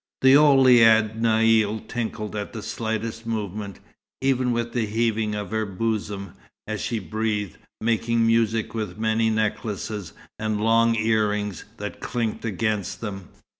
The Ouled Naïl tinkled at the slightest movement, even with the heaving of her bosom, as she breathed, making music with many necklaces, and long earrings that clinked against them.